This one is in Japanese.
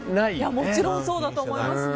もちろんそうだと思いますね。